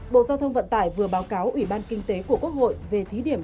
bộ giao thông vận tải vừa báo cáo ủy ban kinh tế của quốc hội về thí điểm